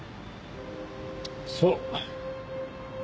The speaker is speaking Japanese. そう。